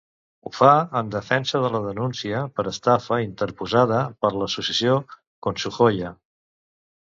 Ho fa en defensa de la denúncia per estafa interposada per l'associació Consujoya.